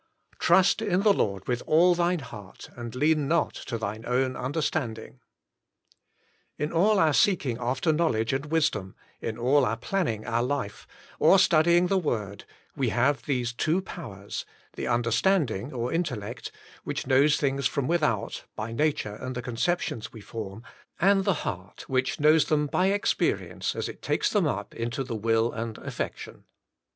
" Trust in the Lord with all thine heart, and lean not to thine own understanding." In all our seeking after knowledge and wisdom, in all our planning our life, or studying the "Word, we have these two powers — ^the understanding or intellect, which knows things from without, by nature and the conceptions we form, and the heart, which knows them by experience as it takes them up into the will and affection.